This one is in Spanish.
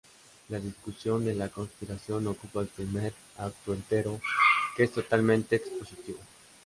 La discusión de la conspiración ocupa el primer acto entero, que es totalmente expositivo.